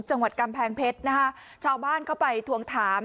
จังหวัดกำแพงเพชรนะคะชาวบ้านเข้าไปทวงถาม